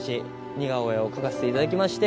似顔絵を描かせていただきまして。